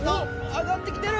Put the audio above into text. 上がってきてる！